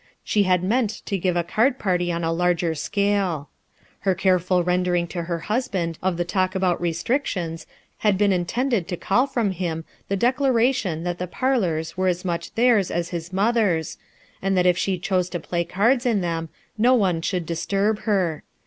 She had meant to give a card party on a larger scale. Her careful rendering to her hus band of the talk about restrictions had been la tended to call from him the declaration that the THE GENERAL MANAGER 187 arlors were as much theirs as his mother's, and that if she chose to play cards in them, no one should disturb her.